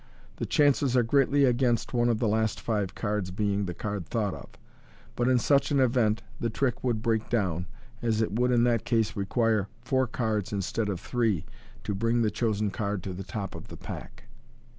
The chances are greatly against one of the last five cards being the card thought of, but in such an event the trick would break down, as it would in that case require four deals instead of three to bring the chosen card to the top of the pack.